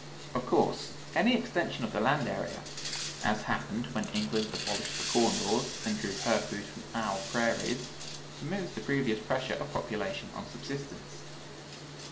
Of course, any extension of the land area, as happened when England abolished the corn laws and drew her food from our prairies, removes the previous pressure of population on subsistence.